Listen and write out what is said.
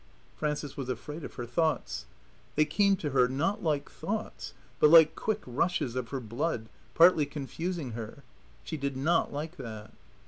Frances was afraid of her thoughts. They came to her not like thoughts, but like quick rushes of her blood, partly confusing her. She did not like that.